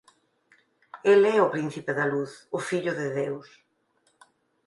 El é o Príncipe da Luz, o Fillo de Deus.